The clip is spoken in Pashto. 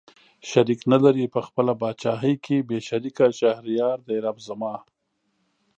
شريک نه لري په خپله پاچاهۍ کې بې شريکه شهريار دئ رب زما